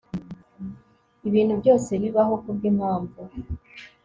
ibintu byose bibaho kubwimpamvu